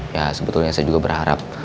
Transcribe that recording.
ya sebetulnya saya juga berharap